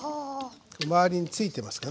で周りに付いてますからね